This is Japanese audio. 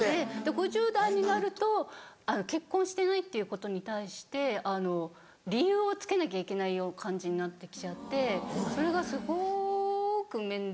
５０代になると結婚してないっていうことに対して理由をつけなきゃいけない感じになってきちゃってそれがすごく面倒くさいなって。